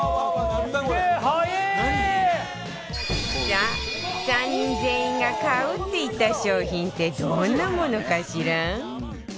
さあ３人全員が買うって言った商品ってどんなものかしら？